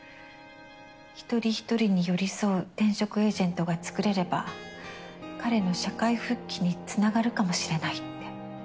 一人一人に寄り添う転職エージェントが作れれば彼の社会復帰につながるかもしれないって。